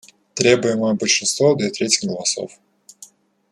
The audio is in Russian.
Требуемое большинство в две трети голосов: